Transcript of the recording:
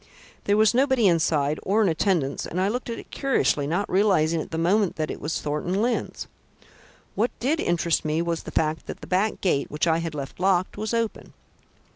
There was nobody inside or in attendance and I looked at it curiously, not realising at the moment that it was Mr. Thornton Lyne's. What did interest me was the fact that the back gate, which I had left locked, was open.